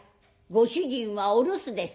ご主人はお留守ですか？」。